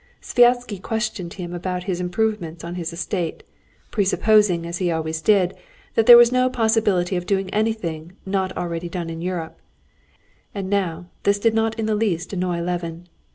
Sviazhsky questioned him about his improvements on his estate, presupposing, as he always did, that there was no possibility of doing anything not done already in Europe, and now this did not in the least annoy Levin.